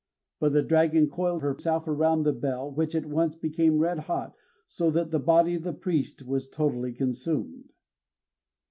But the dragon coiled herself round the bell, which at once became red hot, so that the body of the priest was totally consumed.